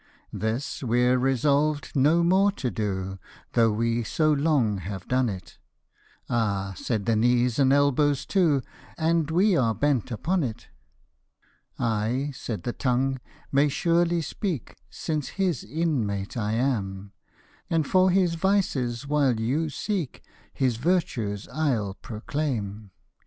This we're resolv'd no more to do, Though we so long have done it ;"" Ah !" said the knees and elbows too, " And we are bent upon it." 42 11 I," said the tongue, " may surely speak, Since I his inmate am ; And for his vices while you seek, His virtues I'll proclaim.